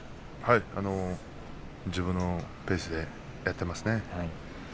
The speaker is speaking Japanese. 自分のペースでやってますね。